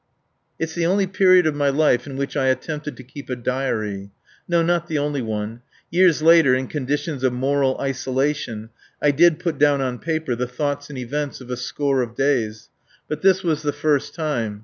It's the only period of my life in which I attempted to keep a diary. No, not the only one. Years later, in conditions of moral isolation, I did put down on paper the thoughts and events of a score of days. But this was the first time.